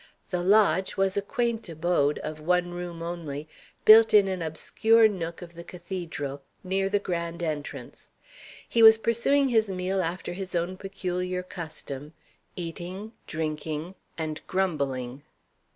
The "lodge" was a quaint abode, of one room only, built in an obscure nook of the cathedral, near the grand entrance. He was pursuing his meal after his own peculiar custom: eating, drinking, and grumbling.